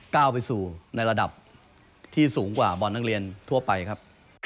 ก้าวไปสู่ในระดับที่สูงกว่าบอลนักเรียนทั่วไปครับ